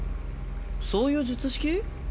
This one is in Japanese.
そういう術式？